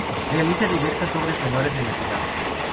Realiza diversas obras menores en la ciudad.